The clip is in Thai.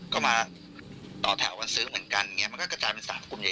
ก็มาต่อแถวกันซื้อเหมือนกันอย่างนี้มันก็กระจายเป็น๓กลุ่มใหญ่